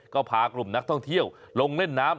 ก็พากลุ่มนักท่องเที่ยวลงเล่นน้ำ